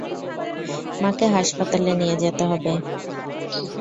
মাকে হাসপাতালে নিয়ে যেতে হবে।